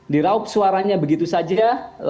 diraup suaranya begitu saja lalu dilupakan setelah pemilu